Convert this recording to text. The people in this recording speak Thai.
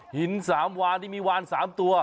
อ๋อหินสามวานที่มีวานสามตัว